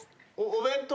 お弁当。